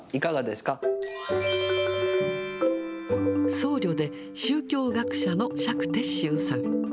僧侶で宗教学者の釈徹宗さん。